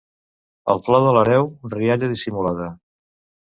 El plor de l'hereu, rialla dissimulada.